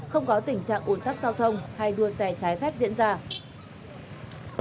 không có tình trạng ủn tắc giao thông hay đua xe trái phép diễn ra